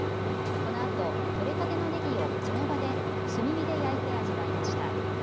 このあと、取れたてのねぎをその場で炭火で焼いて味わいました。